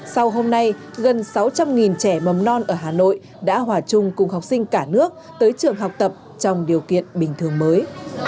sau hôm nay gần sáu trăm linh trẻ mầm non ở hà nội đã hòa chung cùng học sinh cả nước tới trường học tập trong điều kiện bình thường mới